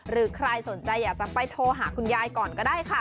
หรือใครสนใจอยากจะไปโทรหาคุณยายก่อนก็ได้ค่ะ